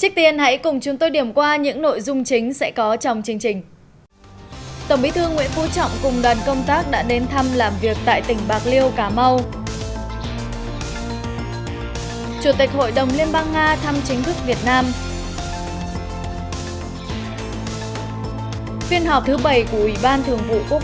các bạn hãy đăng ký kênh để ủng hộ kênh của chúng mình nhé